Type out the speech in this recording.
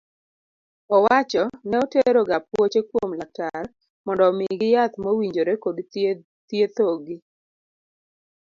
Owacho ne otero ga apuoche kuom laktar mondo omigi yath mowinjore kod thietho gi.